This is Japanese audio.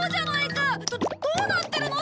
どどうなってるの！？